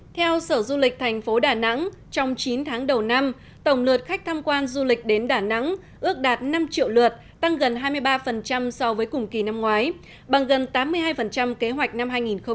theo sở du lịch thành phố đà nẵng trong chín tháng đầu năm tổng lượt khách tham quan du lịch đến đà nẵng ước đạt năm triệu lượt tăng gần hai mươi ba so với cùng kỳ năm ngoái bằng gần tám mươi hai kế hoạch năm hai nghìn một mươi chín